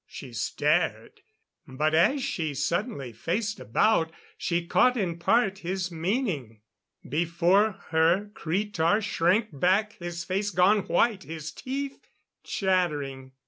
She stared; but as she suddenly faced about, she caught in part his meaning. Before her Cretar shrank back, his face gone white, his teeth chattering.